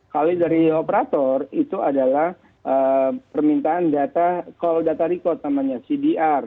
kalau dari operator itu adalah permintaan data call data record namanya cdr